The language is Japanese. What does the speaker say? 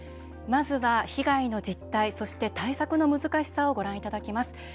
まずは被害の実態そして、対策の難しさをご覧いただきます。